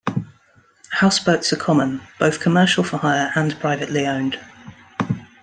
Houseboats are common, both commercial for hire and privately owned.